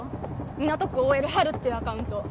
「港区ＯＬハル」っていうアカウント。